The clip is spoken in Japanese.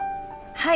はい。